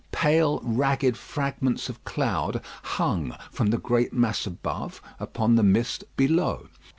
Pale, ragged fragments of cloud hung from the great mass above upon the mist below.